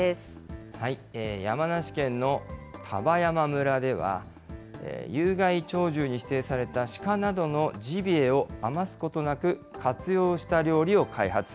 山梨県の丹波山村では、有害鳥獣に指定された鹿などのジビエを、余すことなく活用した料理を開発。